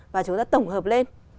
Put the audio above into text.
và chúng ta tổng hợp lên